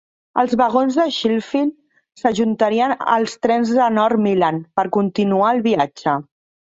Els vagons de Sheffield s'adjuntarien als trens de North Midland per continuar el viatge.